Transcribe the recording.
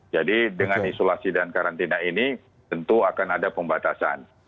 jadi dengan isolasi dan karantina ini tentu akan ada pembatasan